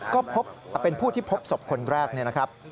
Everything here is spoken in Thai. ก็เป็นผู้ที่พบสบคนแรก